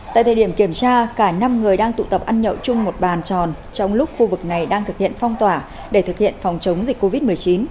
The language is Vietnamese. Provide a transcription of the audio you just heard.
tại thời điểm kiểm tra cả năm người đang tụ tập ăn nhậu chung một bàn tròn trong lúc khu vực này đang thực hiện phong tỏa để thực hiện phòng chống dịch covid một mươi chín